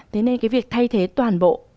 thế nên cái việc thay thế toàn bộ